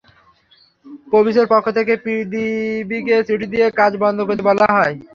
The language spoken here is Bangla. পবিসের পক্ষ থেকেও পিডিবিকে চিঠি দিয়ে কাজ বন্ধ করতে বলা হয়।